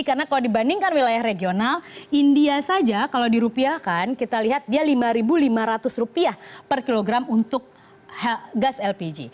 karena kalau dibandingkan wilayah regional india saja kalau dirupiakan kita lihat dia rp lima lima ratus per kilogram untuk gas lpg